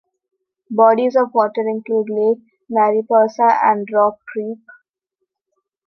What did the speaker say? Bodies of water include Lake Mariposa and Rock Creek.